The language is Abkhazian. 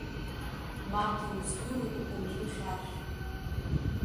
Маҭа узгылеи укәымжәы хьаршә?!